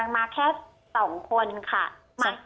มาแค่๒คนค่ะ